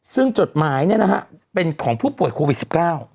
ซึ่งจดหมายเป็นของผู้ป่วยโควิด๑๙